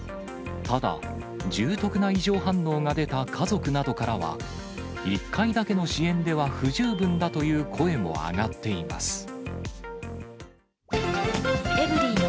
ただ、重篤な異常反応が出た家族などからは、１回だけの支援では不十分だという声も上がっています。